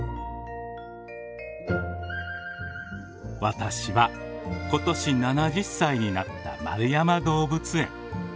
私は今年７０歳になった円山動物園。